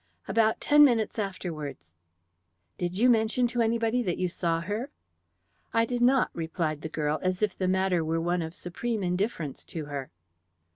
"About ten minutes afterwards." "Did you mention to anybody that you saw her?" "I did not," replied the girl, as if the matter were one of supreme indifference to her.